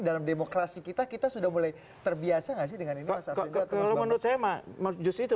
dalam demokrasi kita kita sudah mulai terbiasa dengan ini kalau menurut saya mah menuju situ